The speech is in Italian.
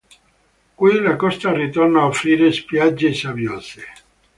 Qui la costa ritorna a offrire spiagge sabbiose.